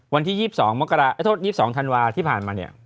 วันที่๒๒มกราโทษ๒๒ธันวาที่ผ่านมาเนี่ย